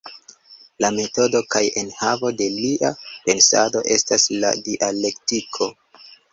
La metodo kaj enhavo de lia pensado estas la dialektiko.